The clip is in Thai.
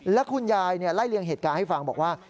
แล้วคุณยายไล่เลี่ยงเหตุการณ์ให้ฟังบอกว่า